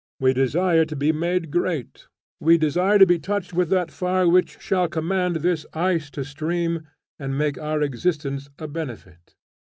We desire to be made great; we desire to be touched with that fire which shall command this ice to stream, and make our existence a benefit.